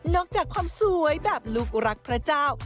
อกจากความสวยแบบลูกรักพระเจ้า